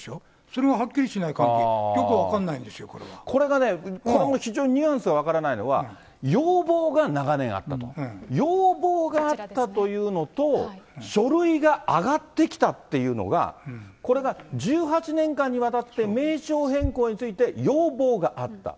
それをはっきりしないかぎりよくこれがね、これも非常にニュアンスが分からないのは要望が長年あったと、要望があったというのと、書類が上がってきたっていうのが、これが１８年間にわたって、名称変更について要望があった。